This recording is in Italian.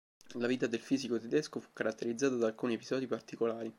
La vita del fisico tedesco fu caratterizzata da alcuni episodi particolari.